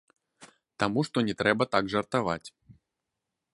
Таму што не трэба так жартаваць.